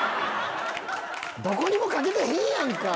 どこにもかけてへんやんか。